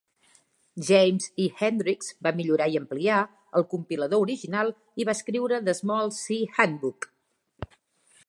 James E. Hendrix va millorar i ampliar el compilador original, i va escriure "The Small-C Handbook".